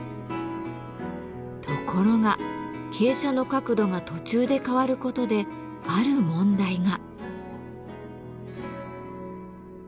ところが傾斜の角度が途中で変わることである問題が。